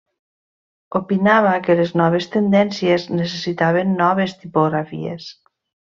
Opinava que les noves tendències necessitaven noves tipografies.